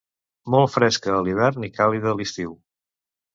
Molt fresca a l'hivern i càlida a l'estiu.